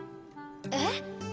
えっ？